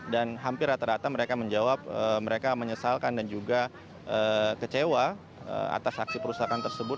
dan hampir rata rata mereka menjawab mereka menyesalkan dan juga kecewa atas aksi perusakan tersebut